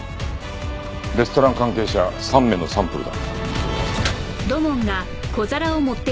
レストラン関係者３名のサンプルだ。